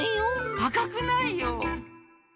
あかくないよ！